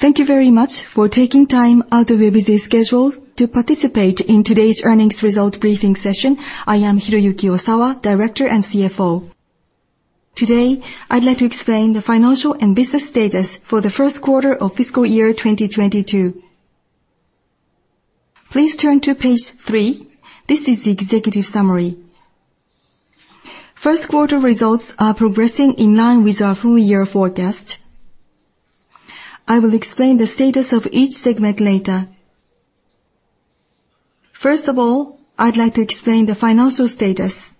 Thank you very much for taking time out of your busy schedule to participate in today's earnings result briefing session. I am Hiroyuki Osawa, Director and CFO. Today, I'd like to explain the financial and business status for the first quarter of fiscal year 2022. Please turn to page three. This is the executive summary. First quarter results are progressing in line with our full year forecast. I will explain the status of each segment later. First of all, I'd like to explain the financial status.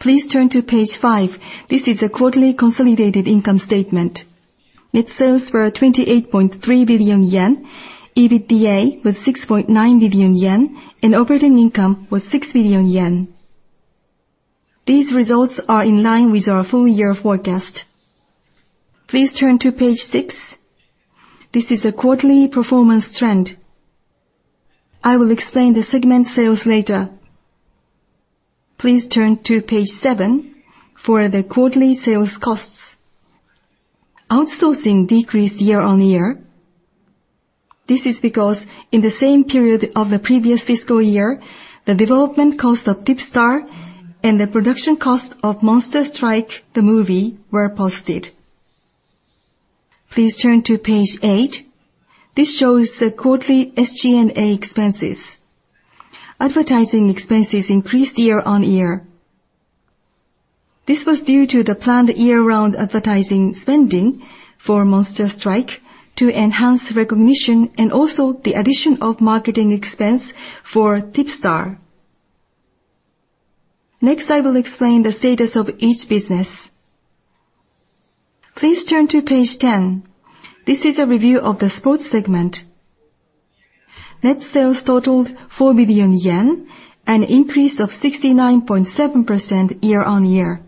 Please turn to page five. This is a quarterly consolidated income statement. Net sales were 28.3 billion yen, EBITDA was 6.9 billion yen, and operating income was 6 billion yen. These results are in line with our full year forecast. Please turn to page six. I will explain the segment sales later. Please turn to page seven for the quarterly sales costs. Outsourcing decreased year-on-year. This is because in the same period of the previous fiscal year, the development cost of TIPSTAR and the production cost of Monster Strike The Movie were posted. Please turn to page eight. This shows the quarterly SG&A expenses. Advertising expenses increased year-on-year. This was due to the planned year-round advertising spending for Monster Strike to enhance recognition and also the addition of marketing expense for TIPSTAR. Next, I will explain the status of each business. Please turn to page 10. This is a review of the sports segment. Net sales totaled 4 billion yen, an increase of 69.7% year-on-year.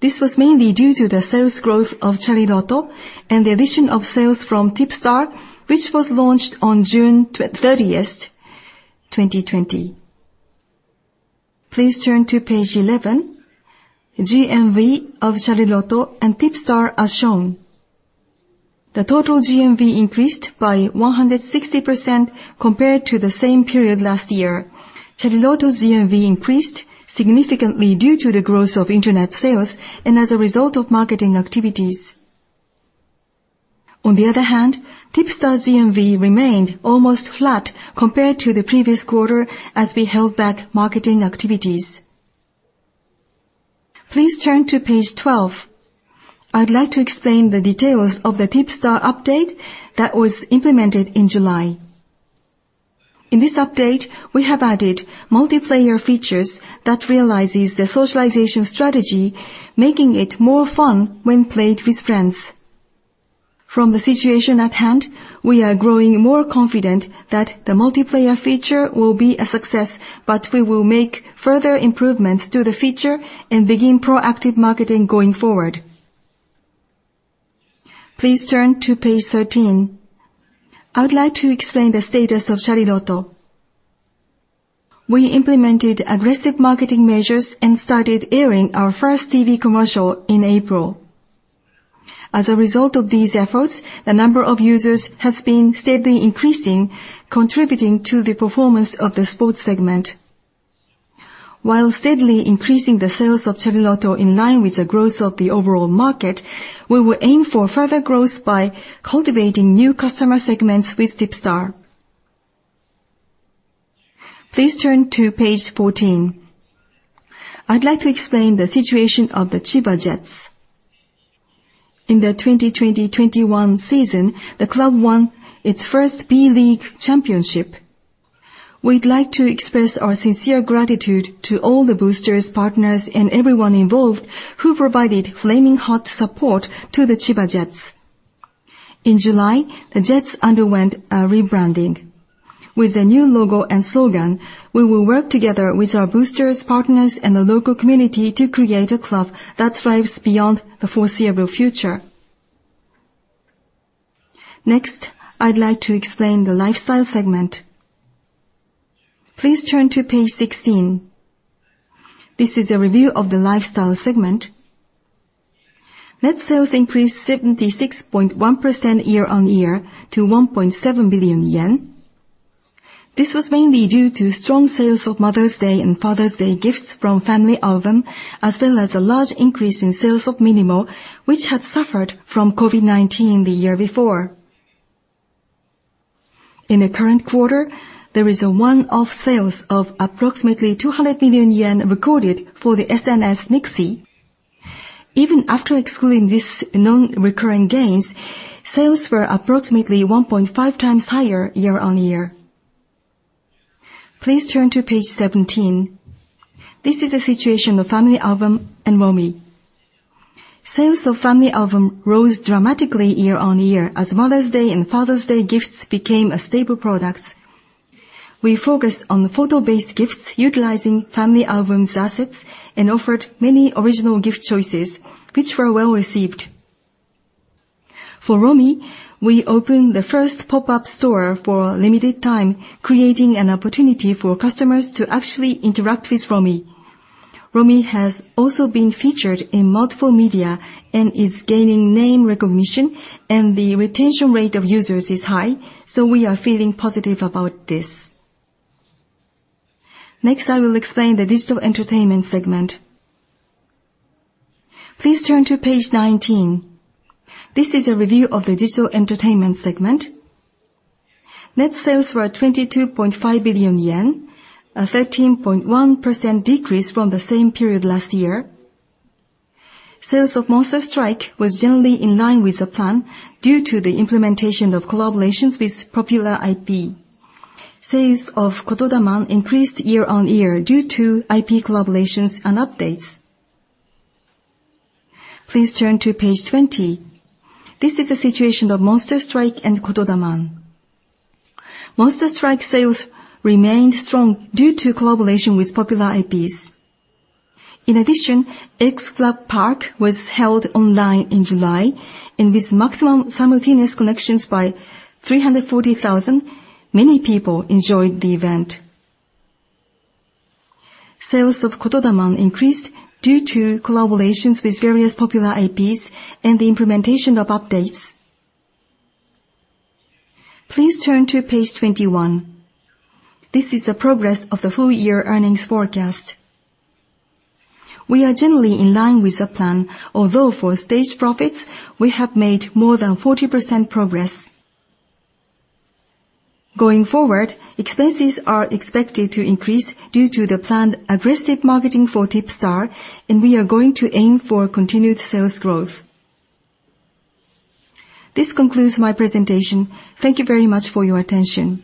This was mainly due to the sales growth of Chariloto and the addition of sales from TIPSTAR, which was launched on June 30th, 2020. Please turn to page 11. GMV of Chariloto and TIPSTAR are shown. The total GMV increased by 160% compared to the same period last year. Chariloto's GMV increased significantly due to the growth of internet sales and as a result of marketing activities. On the other hand, TIPSTAR's GMV remained almost flat compared to the previous quarter as we held back marketing activities. Please turn to page 12. I'd like to explain the details of the TIPSTAR update that was implemented in July. In this update, we have added multiplayer features that realizes the socialization strategy, making it more fun when played with friends. From the situation at hand, we are growing more confident that the multiplayer feature will be a success, but we will make further improvements to the feature and begin proactive marketing going forward. Please turn to page 13. I would like to explain the status of Chariloto. We implemented aggressive marketing measures and started airing our first TV commercial in April. As a result of these efforts, the number of users has been steadily increasing, contributing to the performance of the sports segment. While steadily increasing the sales of Chariloto in line with the growth of the overall market, we will aim for further growth by cultivating new customer segments with TIPSTAR. Please turn to page 14. I'd like to explain the situation of the Chiba Jets. In the 2020/2021 season, the club won its first B.LEA championship. We'd like to express our sincere gratitude to all the boosters, partners, and everyone involved who provided flaming hot support to the Chiba Jets. In July, the Jets underwent a rebranding. With a new logo and slogan, we will work together with our boosters, partners, and the local community to create a club that thrives beyond the foreseeable future. I'd like to explain the lifestyle segment. Please turn to page 16. This is a review of the lifestyle segment. Net sales increased 76.1% year-on-year to 1.7 billion yen. This was mainly due to strong sales of Mother's Day and Father's Day gifts from FamilyAlbum, as well as a large increase in sales of minimo, which had suffered from COVID-19 the year before. In the current quarter, there is a one-off sales of approximately 200 million yen recorded for the SNS mixi. Even after excluding these non-recurring gains, sales were approximately 1.5 times higher year-on-year. Please turn to page 17. This is the situation of FamilyAlbum and Romi. Sales of FamilyAlbum rose dramatically year-on-year as Mother's Day and Father's Day gifts became a staple products. We focused on photo-based gifts utilizing FamilyAlbum's assets and offered many original gift choices, which were well received. For Romi, we opened the first pop-up store for a limited time, creating an opportunity for customers to actually interact with Romi. Romi has also been featured in multiple media and is gaining name recognition, and the retention rate of users is high, so we are feeling positive about this. Next, I will explain the digital entertainment segment. Please turn to page 19. This is a review of the digital entertainment segment. Net sales were at 22.5 billion yen, a 13.1% decrease from the same period last year. Sales of Monster Strike was generally in line with the plan due to the implementation of collaborations with popular IP. Sales of "Kotodaman" increased year on year due to IP collaborations and updates. Please turn to page 20. This is the situation of "Monster Strike" and "Kotodaman." "Monster Strike" sales remained strong due to collaboration with popular IPs. XFLAG PARK was held online in July, and with maximum simultaneous connections by 340,000, many people enjoyed the event. Sales of "Kotodaman" increased due to collaborations with various popular IPs and the implementation of updates. Please turn to page 21. This is the progress of the full year earnings forecast. We are generally in line with the plan, although for stage profits, we have made more than 40% progress. Going forward, expenses are expected to increase due to the planned aggressive marketing for "TIPSTAR," and we are going to aim for continued sales growth. This concludes my presentation. Thank you very much for your attention.